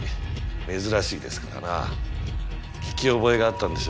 珍しいですからな聞き覚えがあったんでしょう。